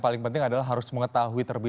paling penting adalah harus mengetahui terlebih